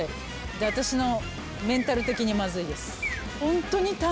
で私のメンタル的にまずいです。